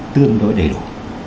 tương đối đầy đủ